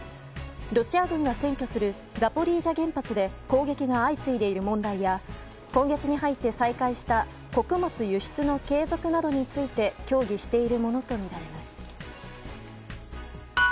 ロシア軍が占拠するザポリージャ原発で攻撃が相次いでいる問題や今月に入って再開した穀物輸出の継続などについて協議しているものとみられます。